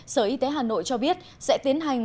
sở y tế hà nội cho biết sẽ tiến hành